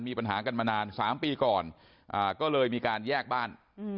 มีปัญหากันมานาน๓ปีก่อนก็เลยมีการแยกบ้าน